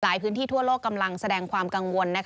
พื้นที่ทั่วโลกกำลังแสดงความกังวล